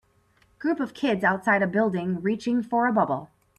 group of kids outside a building reaching for a bubble